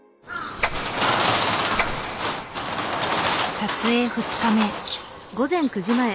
撮影２日目。